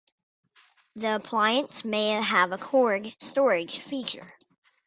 The appliance may have a cord storage feature.